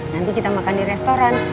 nanti kita makan di restoran